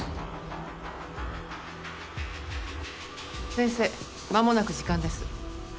先生間もなく時間です。